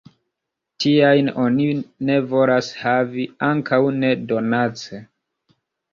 Tiajn oni ne volas havi, ankaŭ ne donace.